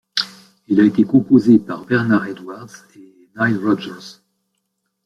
Elle a été composée par Bernard Edwards et Nile Rodgers.